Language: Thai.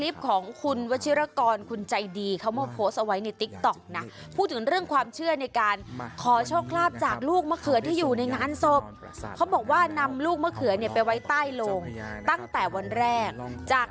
โปรดใจจักรณญาณในการรับชมตัวเองนะครับ